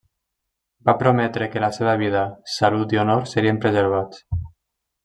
Va prometre que la seva vida, salut i honor serien preservats.